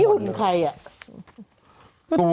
นี่เป็นใครอ่ะ